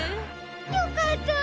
よかった！